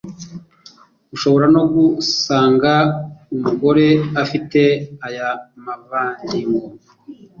Ushobora no gusanga umugore afite aya mavangingo